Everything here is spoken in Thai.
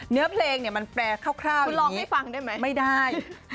เนื้อเพลงมันเปรียบคร่าวอย่างนี้